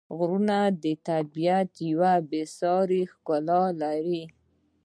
غرونه د طبیعت یوه بېساري ښکلا لري.